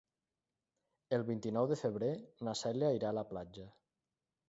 El vint-i-nou de febrer na Cèlia irà a la platja.